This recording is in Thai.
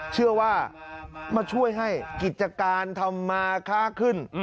เชื่อว่ามาช่วยให้กิจการทำมาค้าขึ้น